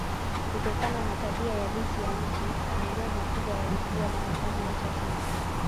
Kutokana na tabia yabisi ya nchi, maeneo makubwa yalikuwa na wakazi wachache tu.